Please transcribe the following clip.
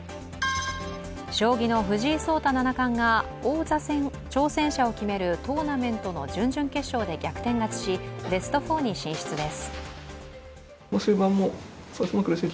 将棋の藤井聡太七冠が王座戦挑戦者を決めるトーナメントの準々決勝で逆転勝ちし、ベスト４に進出です。